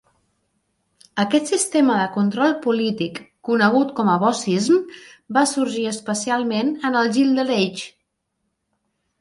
Aquest sistema de control polític, conegut com "bossism", va sorgir especialment en el Gilded Age.